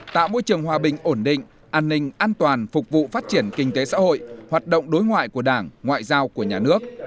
tạo môi trường hòa bình ổn định an ninh an toàn phục vụ phát triển kinh tế xã hội hoạt động đối ngoại của đảng ngoại giao của nhà nước